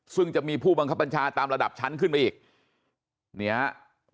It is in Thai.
ซึ่งจะมีผู้บังคับบัญชาตามระดับชั้นขึ้นไปอีกเนี่ย